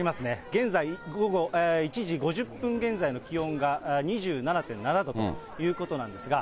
現在、午後１時５０分現在の気温が２７．７度ということなんですが。